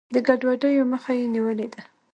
د ګډوډیو مخه یې نیولې ده.